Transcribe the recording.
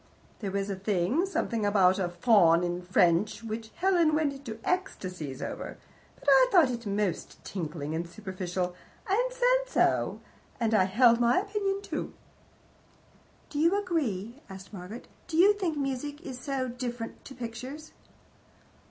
There was a thing something about a faun in French which Helen went into ecstasies over, but I thought it most tinkling and superficial, and said so, and I held to my opinion too." "Do you agree?" asked Margaret. "Do you think music is so different to pictures?"